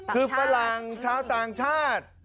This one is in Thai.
คือฝรั่งชาวต่างชาติ